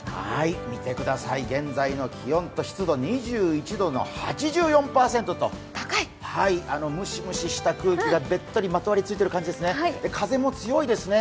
見てください、現在の気温と湿度、２１度の８４％とムシムシした空気がべったりまとわりついている感じですね。